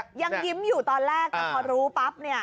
ยังยิ้มอยู่ตอนแรกแต่พอรู้ปั๊บเนี่ย